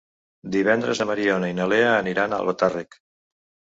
Divendres na Mariona i na Lea aniran a Albatàrrec.